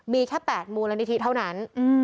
มีแค่๘มูลนิธิเท่านั้น